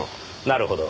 なるほど。